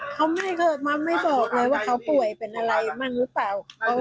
เขาไม่ค่ะมันไม่บอกเลยว่าเขาป่วยเป็นอะไรหรือเปล่า